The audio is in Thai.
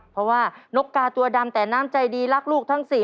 เพราะว่านกกาตัวดำแต่น้ำใจดีรักลูกทั้ง๔